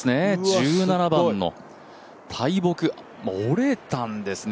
１７番の大木、折れたんですね。